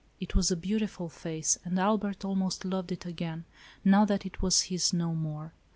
It was a beautiful face and Albert almost loved it again, now that it was his no more.